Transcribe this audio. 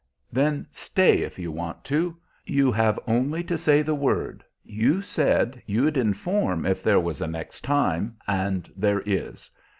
"Then stay, if you want to. You have only to say the word. You said you'd inform if there was a next time, and there is.